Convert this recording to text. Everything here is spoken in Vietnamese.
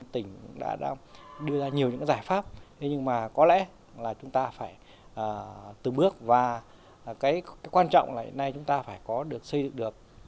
tỉnh đã đưa ra nhiều những giải pháp nhưng mà có lẽ là chúng ta phải từng bước và quan trọng là hiện nay chúng ta phải có được xây dựng được